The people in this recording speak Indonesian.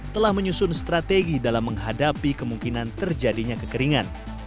telah menyusun strategi dalam menghadapi kemungkinan terjadinya kekeringan